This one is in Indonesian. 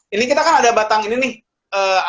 ini kita kan ada batang ini nih